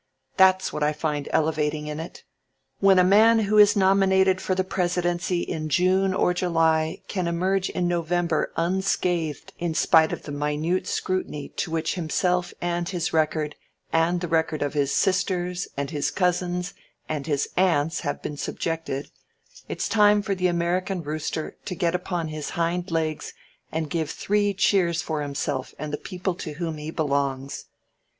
That's what I find elevating in it. When a man who is nominated for the Presidency in June or July can emerge in November unscathed in spite of the minute scrutiny to which himself and his record and the record of his sisters and his cousins and his aunts have been subjected, it's time for the American rooster to get upon his hind legs and give three cheers for himself and the people to whom he belongs.